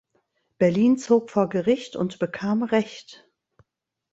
Berlin zog vor Gericht und bekam Recht.